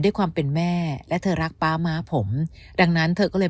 ด้วยความเป็นแม่และเธอรักป๊าม้าผมดังนั้นเธอก็เลย